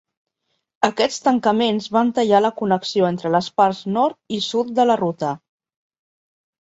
Aquests tancaments van tallar la connexió entre les parts nord i sud de la ruta.